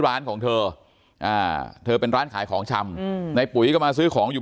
ร้านของเธอเธอเป็นร้านขายของชำในปุ๋ยก็มาซื้อของอยู่